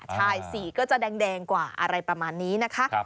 ใช่สีก็จะแดงกว่าอะไรประมาณนี้นะคะ